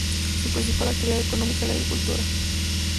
Su principal actividad económica la agricultura.